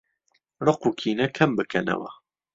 ڕقوکینە کەمبکەنەوە